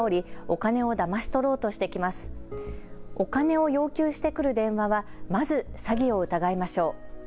お金を要求してくる電話はまず詐欺を疑いましょう。